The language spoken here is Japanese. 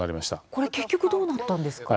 これ結局どうなったんですか？